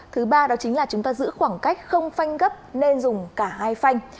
thứ ba đó chính là chúng ta giữ khoảng cách không phanh gấp nên dùng cả hai phanh